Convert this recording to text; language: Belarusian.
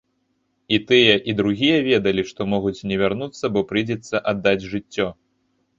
І тыя, і другія ведалі, што могуць не вярнуцца, бо прыйдзецца аддаць жыццё.